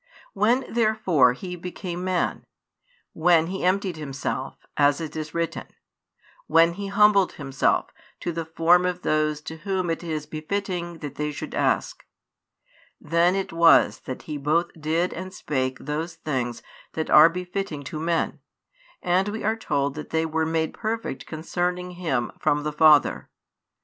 When, therefore, He became Man; when He emptied Himself, as it is written; when He humbled Himself to the form of those to whom it is befitting that they should ask; then it was that He both did and spake those things that are befitting to men, and we are told that they were made perfect concerning Him from the Father.